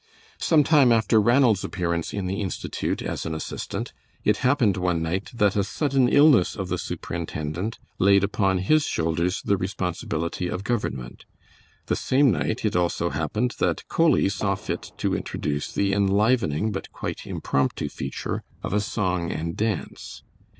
Some time after Ranald's appearance in the Institute as an assistant, it happened one night that a sudden illness of the superintendent laid upon his shoulders the responsibility of government. The same night it also happened that Coley saw fit to introduce the enlivening but quite impromptu feature of a song and dance.